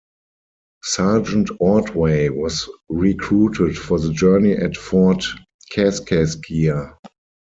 Sergeant Ordway was recruited for the journey at Fort Kaskaskia.